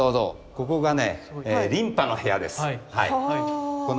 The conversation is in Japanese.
ここがね琳派の部屋です。